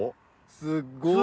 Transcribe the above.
すっごい！